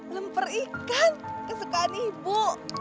lemper ikan kesukaan ibu